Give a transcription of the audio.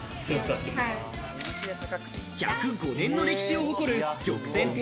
１０５年の歴史を誇る玉泉亭